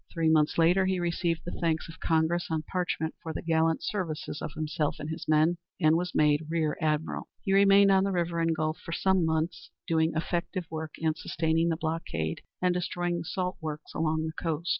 Three months later he received the thanks of Congress on parchment for the gallant services of himself and his men, and was made Rear Admiral. He remained on the river and gulf for some months, doing effective work in sustaining the blockade, and destroying the salt works along the coast.